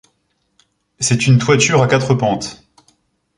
C'est une toiture à quatre pentes.